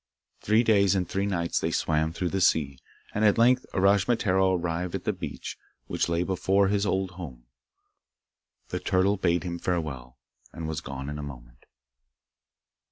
Three days and three nights they swam through the sea, and at length Uraschimataro arrived at the beach which lay before his old home. The turtle bade him farewell, and was gone in a moment.